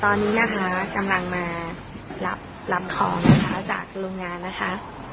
ตอนนี้นะคะกำลังมารับของนะคะจากโรงงานนะคะ